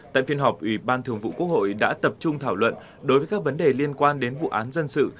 tại phiên họp ủy ban thường vụ quốc hội đã tập trung thảo luận đối với các vấn đề liên quan đến vụ án dân sự